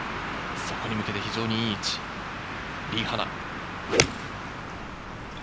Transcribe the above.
そこに向けて、非常にいい位置のリ・ハナ。